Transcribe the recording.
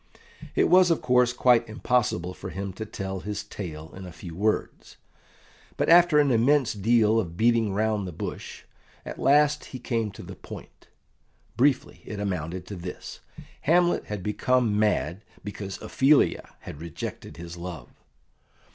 It was, of course, quite impossible for him to tell his tale in a few words, but after an immense deal of beating round the bush, at last he came to the point. Briefly, it amounted to this: Hamlet had become mad because Ophelia had rejected his love.